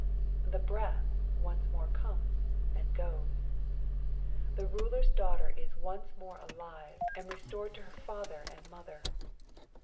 The breath once more comes and goes. The ruler's daughter is once more alive, and restored to her father and mother.